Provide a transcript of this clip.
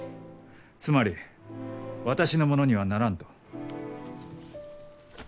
つまり私のものにはならんと？